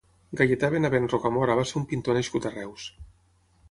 Gaietà Benavent Rocamora va ser un pintor nascut a Reus.